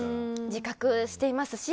自覚してますし。